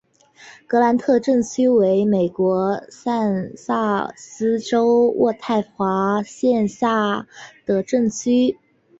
格兰特镇区为美国堪萨斯州渥太华县辖下的镇区。